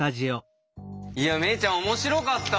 萌衣ちゃん面白かった！